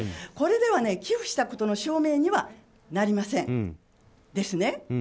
これでは寄付したことの証明にはなりません。